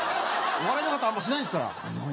お笑いの方あんまりしないんですから。